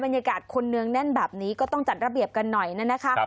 บรรยากาศคนเนืองแน่นแบบนี้ก็ต้องจัดระเบียบกันหน่อยนะคะ